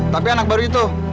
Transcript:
tapi anak baru itu